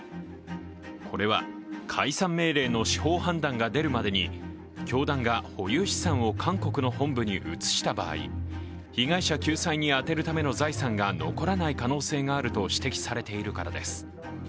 これは解散命令の司法判断が出るまでに教団が保有資産を韓国の本部に移した場合、被害者救済に充てるための財産が残らない可能性があると指摘されているからです。